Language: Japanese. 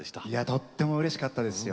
とてもうれしかったですよ。